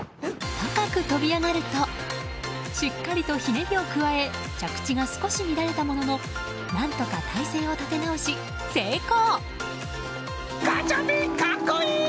高く飛び上がるとしっかりとひねりを加え着地が少し乱れたものの何とか体勢を立て直し、成功！